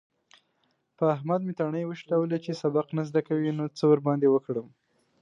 په احمد مې تڼۍ وشلولې. چې سبق نه زده کوي؛ نو څه ورباندې وکړم؟!